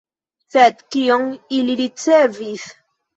Sed kion ili ricevis?